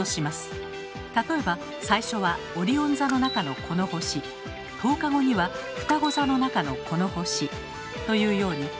例えば最初はオリオン座の中のこの星１０日後にはふたご座の中のこの星というように基準の星を決めていくと